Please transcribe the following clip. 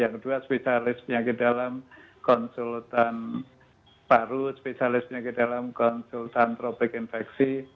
yang kedua spesialis penyakit dalam konsultan paru spesialis penyakit dalam konsultan tropik infeksi